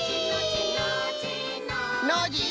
ノージー！